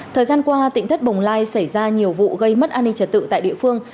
thời gian qua tỉnh thất bồng lai xảy ra nhiều vụ gây mất an ninh trật tự tại địa phương